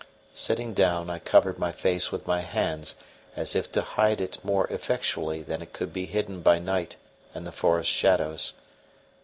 Sitting down, I covered my face with my hands as if to hide it more effectually than it could be hidden by night and the forest shadows.